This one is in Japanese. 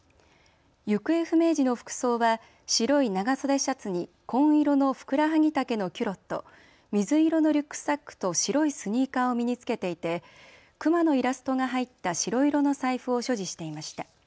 行方不明時の服装は白い長袖シャツに紺色のふくらはぎ丈のキュロット、水色のリュックサックと白いスニーカーを身につけていて熊のイラストが入った白色の財布を所持していました。